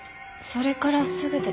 それからすぐで。